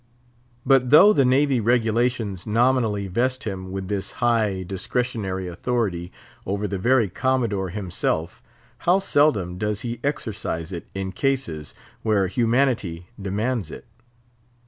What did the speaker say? But though the Navy regulations nominally vest him with this high discretionary authority over the very Commodore himself, how seldom does he exercise it in cases where humanity demands it?